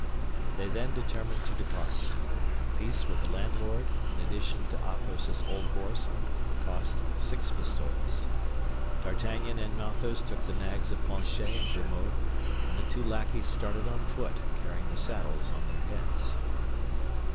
They then determined to depart. Peace with the landlord, in addition to Athos's old horse, cost six pistoles. D'Artagnan and Athos took the nags of Planchet and Grimaud, and the two lackeys started on foot, carrying the saddles on their heads.